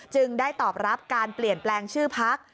จึงได้ตอบรับการเปลี่ยนแปลงชื่อพัก